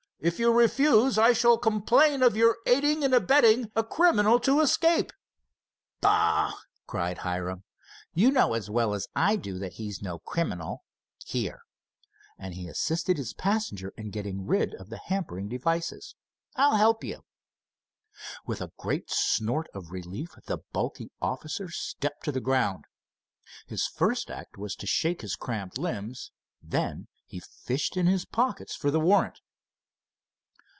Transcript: If you refuse, I shall complain of your aiding and abetting a criminal to escape." "Bah!" cried Hiram, "you know as well as I do that he is no criminal. Here," and he assisted his passenger in getting rid of the hampering devices. "I'll help you." With a great snort of relief the bulky officer stepped to the ground. His first act was to shake his cramped limbs. Then he fished in his pockets for the warrant.